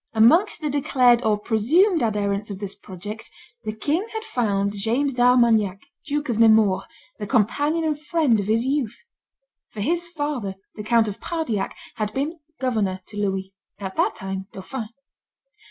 Amongst the declared or presumed adherents of this project, the king had found James d'Armagnac, Duke of Nemours, the companion and friend of his youth; for his father, the Count of Pardiac, had been governor to Louis, at that time dauphin.